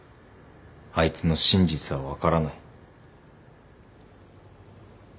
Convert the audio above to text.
あいつの真実は分からない。